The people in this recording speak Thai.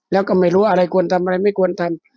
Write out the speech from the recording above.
แล้วก็ไม่รู้อะไรควรทำอะไรไม่ควรทำ